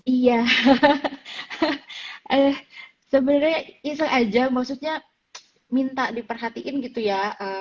iya sebenarnya iseng aja maksudnya minta diperhatiin gitu ya